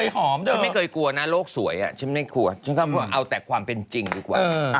ฉันไม่เคยกลัวนะโลกสวยอ่ะฉันไม่ไม่กลัวเอาแต่ความเป็นจริงดีกว่า